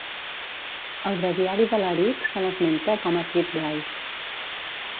Al Breviari d'Alaric se l'esmenta com a Tit Gai.